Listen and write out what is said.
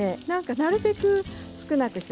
なるべく少なくして。